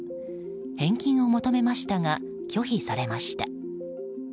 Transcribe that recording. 返金を求めましたが拒否されました。